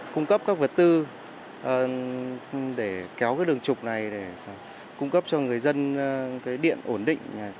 cung cấp các vật tư để kéo đường trục này để cung cấp cho người dân cái điện ổn định